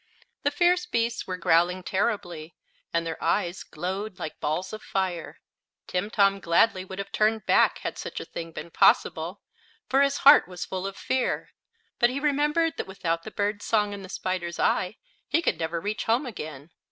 The fierce beasts were growling terribly, and their eyes glowed like balls of fire. Timtom gladly would have turned back had such a thing been possible, for his heart was full of fear. But he remembered that without the bird's song and the spider's eye he could never reach home again.